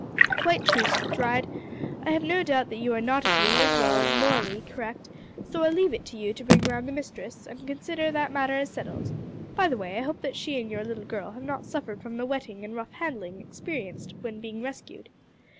"Quite true, Stride, I have no doubt that you are nautically as well as morally correct, so I leave it to you to bring round the mistress, and consider that matter as settled. By the way, I hope that she and your little girl have not suffered from the wetting and rough handling experienced when being rescued."